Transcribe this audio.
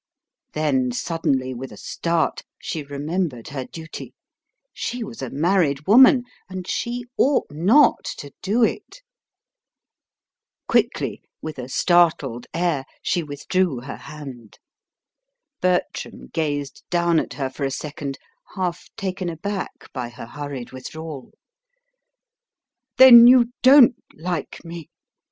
Then suddenly, with a start, she remembered her duty: she was a married woman, and she OUGHT NOT to do it. Quickly, with a startled air, she withdrew her hand. Bertram gazed down at her for a second, half taken aback by her hurried withdrawal. "Then you don't like me!"